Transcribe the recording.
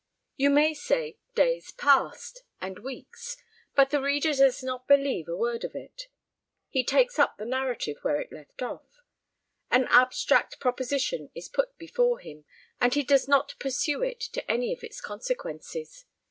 You may say days passed, and weeks; but the reader does not believe a word of it. He takes up the narrative where it left off; an abstract proposition is put before him, and he does not pursue it to any of its consequences.